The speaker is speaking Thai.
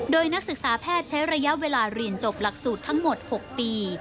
โดยนักศึกษาแพทย์ใช้ระยะเวลาเรียนจบหลักสูตรทั้งหมด๖ปี